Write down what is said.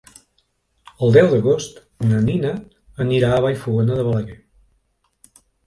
El deu d'agost na Nina anirà a Vallfogona de Balaguer.